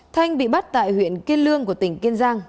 thanh bị bắt tại huyện kiên lương của tỉnh kiên giang